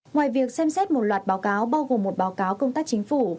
ngoài việc xem xét một loạt báo cáo bao gồm một báo cáo công tác chính phủ